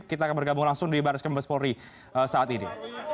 kita akan bergabung langsung di barres krim pespolri saat ini